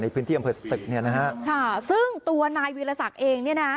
พื้นที่อำเภอสตึกเนี่ยนะฮะค่ะซึ่งตัวนายวิรสักเองเนี่ยนะ